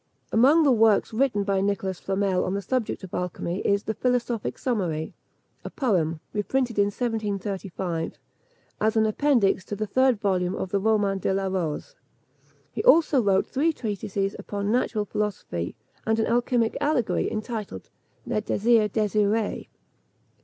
Among the works written by Nicholas Flamel on the subject of alchymy is The Philosophic Summary, a poem, reprinted in 1735, as an appendix to the third volume of the Roman de la Rose. He also wrote three treatises upon natural philosophy, and an alchymic allegory, entitled Le Désir désiré.